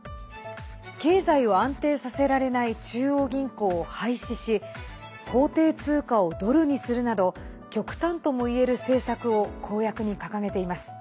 経済を安定させられない中央銀行を廃止し法定通貨をドルにするなど極端ともいえる政策を公約に掲げています。